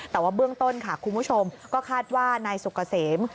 แต่ว่าเบื้องต้นค่ะคุณผู้ชมก็คาดว่านายสุกเกษม